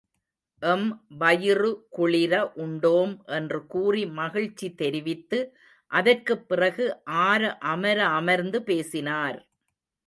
M வயிறு குளிர உண்டோம் என்று கூறி மகிழ்ச்சி தெரிவித்து அதற்குப் பிறகு ஆர அமர அமர்ந்து பேசினார்.